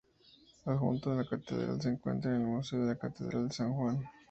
Adjunto a la catedral se encuentra el Museo de la Catedral de San Juan.